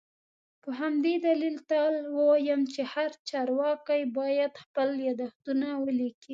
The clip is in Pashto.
په همدې دلیل تل وایم چي هر چارواکی باید خپل یادښتونه ولیکي